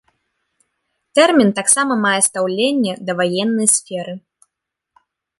Тэрмін таксама мае стаўленне да ваеннай сферы.